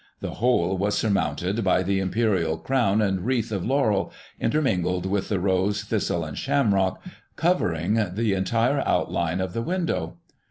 The whole was surmounted by the imperial crown and wreaths of laurel, intermingled with the rose, thistle and shamrock, covering the entire outline of the window.